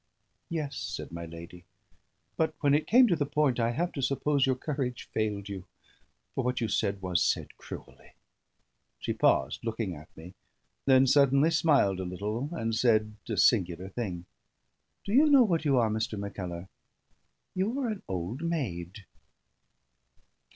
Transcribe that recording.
"Yes," said my lady; "but when it came to the point, I have to suppose your courage failed you; for what you said was said cruelly." She paused, looking at me; then suddenly smiled a little, and said a singular thing: "Do you know what you are, Mr. Mackellar? You are an old maid."